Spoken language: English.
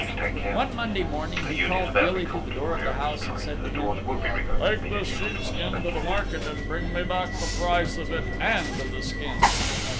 One Monday morning he called Gilly to the door of the house and said to him, "Take this sheep skin to the market and bring me back the price of it and the skin."